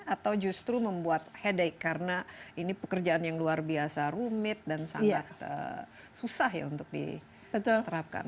atau justru membuat headache karena ini pekerjaan yang luar biasa rumit dan sangat susah ya untuk diterapkan